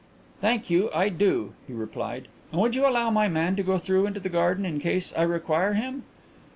"Thank you, I do," he replied. "And would you allow my man to go through into the garden in case I require him?"